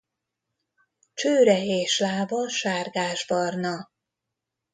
Csőre és lába sárgásbarna.